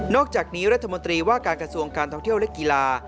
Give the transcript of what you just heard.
อกจากนี้รัฐมนตรีว่าการกระทรวงการท่องเที่ยวและกีฬา